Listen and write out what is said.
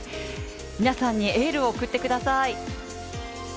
皆さんにエールを送ってください。